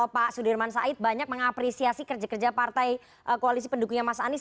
pak sudirman said banyak mengapresiasi kerja kerja partai koalisi pendukungnya mas anies